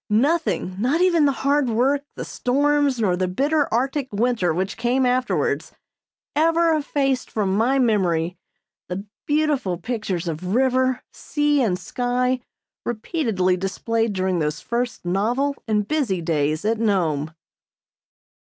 Nothing, not even the hard work, the storms, nor the bitter Arctic winter which came afterwards ever effaced from my memory the beautiful pictures of river, sea and sky repeatedly displayed during those first novel and busy days at Nome.